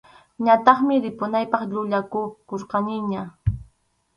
Ñataqmi ripunaypaq yuyaykukurqaniña.